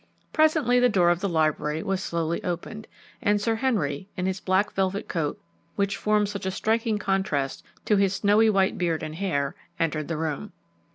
Presently, the door of the library was slowly opened, and Sir Henry, in his black velvet coat, which formed such a striking contrast to his snowy white beard and hair, entered the room.